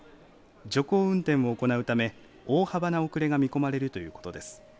徐行運転を行うため大幅な遅れが見込まれるということです。